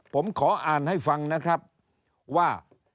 ผมขออ่านให้ฟังนะครับว่า